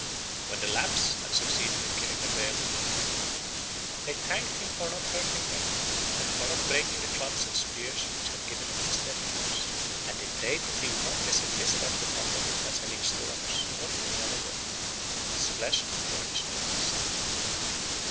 When the Lapps had succeeded in killing a bear with impunity, they thanked him for not hurting them and for not breaking the clubs and spears which had given him his death wounds; and they prayed that he would not visit his death upon them by sending storms or in any other way. His flesh then furnished a feast.